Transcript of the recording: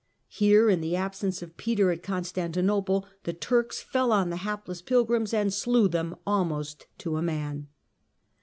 Here, in the absence of Peter at Constantinople, the Turks fell on the hapless pilgrims, and slew them almost to a man.